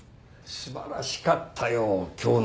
素晴らしかったよ今日のプレゼン。